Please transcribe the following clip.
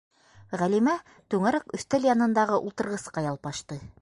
- Ғәлимә түңәрәк өҫтәл янындағы ултырғысҡа ялпашты.